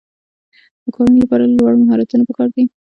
د کارونو لپاره لوړ مهارتونه پکار دي.